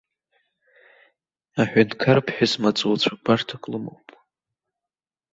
Аҳәынҭқарԥҳәыс маҵуцәа гәарҭак лымоуп.